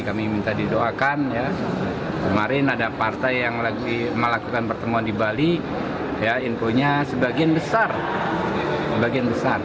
kami minta didoakan kemarin ada partai yang melakukan pertemuan di bali infonya sebagian besar